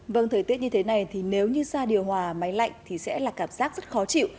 vâng thời tiết như thế này thì nếu như ra điều hòa máy lạnh thì sẽ là cảm giác rất khó chịu